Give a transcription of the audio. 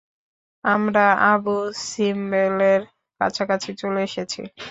আমরা আবু সিম্বেলের কাছাকাছি চলে এসেছি!